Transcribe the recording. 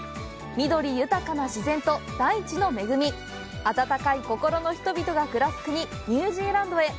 緑豊かな自然と大地の恵み温かい心の人々が暮らす国ニュージーランドへ。